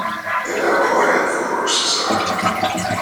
And how quiet the horses are!